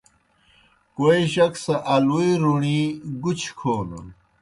کوئی جک سہ آلُوئے روݨی گُچھیْ کھونَن۔